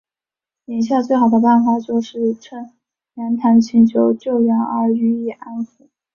眼下最好的办法就是趁袁谭请求救援而予以安抚。